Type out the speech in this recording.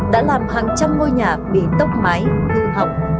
đã làm hàng trăm ngôi nhà bị tốc máy thư hỏng